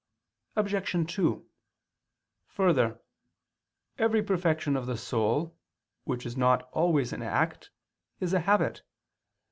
Obj. 2: Further, every perfection of the soul, which is not always in act, is a habit.